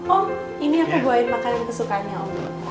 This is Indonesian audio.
om ini aku bawain makanan kesukaannya om